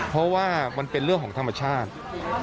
เพราะว่ามันเป็นเรื่องของธรรมชาติ